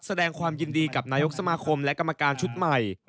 แสดงความยินดีกับนายกสมาคมและกรรมการชุดใหม่